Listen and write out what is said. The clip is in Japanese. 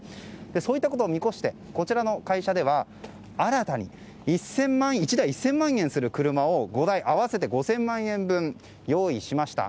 そういったことを見越してこちらの会社では新たに１台１０００万円する車を５台、合わせて５０００万円分用意しました。